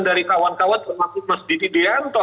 dari kawan kawan termasuk mas didi deanto